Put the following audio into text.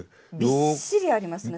びっしりありますね